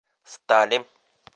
стали